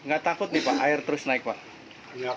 nggak takut nih pak air terus naik pak